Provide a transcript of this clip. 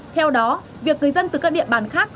theo đó việc người dân từ các địa bàn khác